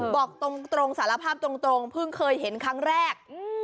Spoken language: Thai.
บอกตรงสารภาพตรงเพิ่งเคยเห็นครั้งแรก